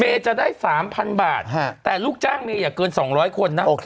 จะได้๓๐๐บาทแต่ลูกจ้างเมย์อย่าเกิน๒๐๐คนนะ